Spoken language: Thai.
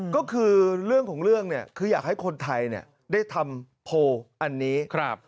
ก็คือเรื่องของเรื่องเนี่ยคืออยากให้คนไทยได้ทำโพลอันนี้